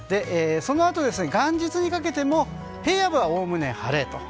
そのあと、元日にかけても平野部はおおむね晴れと。